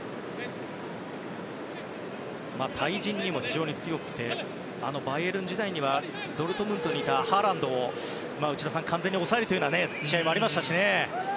非常に対人にも強くてバイエルン時代にはドルトムントにいたハーランドを完全に抑えるという試合もありましたしね。